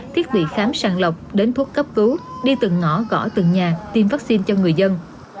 thiết bị khám sàng lọc đến thuốc cấp cứu đi từng ngõ gõ từng nhà tiêm vaccine cho người dân